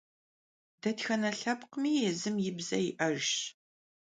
Detxene lhepkhmi yêzım yi bze yi'ejjş.